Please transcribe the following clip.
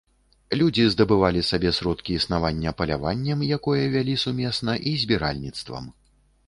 Людзі здабывалі сабе сродкі існавання паляваннем, якое вялі сумесна, і збіральніцтвам.